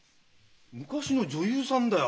昔の女優さんだよ。